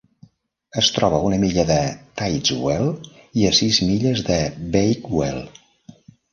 Es troba a una milla de Tideswell i a sis milles de Bakewell.